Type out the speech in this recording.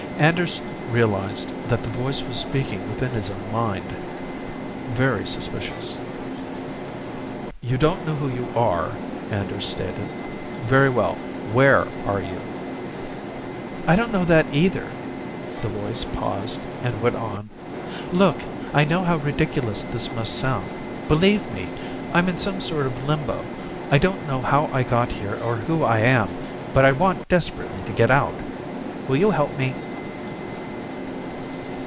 Anders realized that the voice was speaking within his own mind. Very suspicious. "You don't know who you are," Anders stated. "Very well. Where are you?" "I don't know that, either." The voice paused, and went on. "Look, I know how ridiculous this must sound. Believe me, I'm in some sort of limbo. I don't know how I got here or who I am, but I want desperately to get out. Will you help me?"